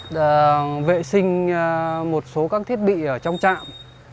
đã vệ sinh một số các thiết bị ở trong trạm